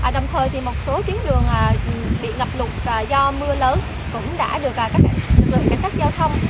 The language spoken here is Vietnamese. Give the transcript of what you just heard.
đồng thời một số chiến đường bị ngập lụt do mưa lớn cũng đã được các lực lượng cảnh sát giao thông